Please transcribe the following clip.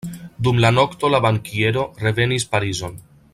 Dum la nokto la bankiero revenis Parizon.